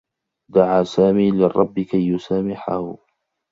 دعى سامي للرّبّ كي يسامحه.